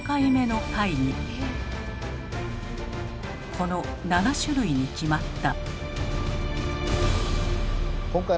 この７種類に決まった。